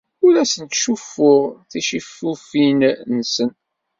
Ur asen-ttcuffuɣ ticifufin-nsen.